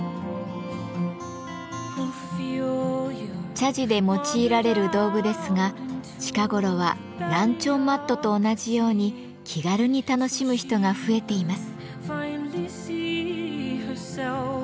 茶事で用いられる道具ですが近頃は「ランチョンマット」と同じように気軽に楽しむ人が増えています。